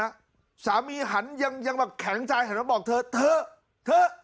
ครับคุณผู้ชมฮะสามีหันยังแข็งใจหันมาบอกเธอเธอเธอ